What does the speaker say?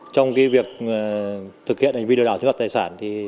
trong việc thực hiện video đảo chứng phạt tài sản